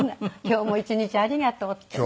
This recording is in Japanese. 今日も１日ありがとうねって。